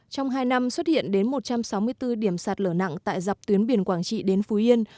trong hai năm xuất hiện đến một trăm sáu mươi bốn điểm sạt lở nặng tại dọc tuyến biển quảng trị đến phú yên